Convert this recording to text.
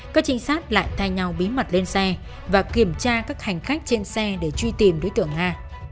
các trinh sát lại thay nhau bí mật lên xe và kiểm tra các hành khách trên xe để truy tìm đối tượng nga